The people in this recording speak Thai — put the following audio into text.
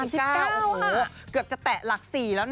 เกือบจะแตะหลัก๔แล้วนะ